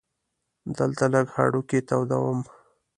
دلته لږ هډوکي تودوم.